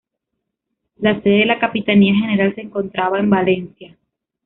La sede de la Capitanía General se encontraba en Valencia.